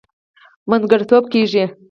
منځګړتوب کېږي.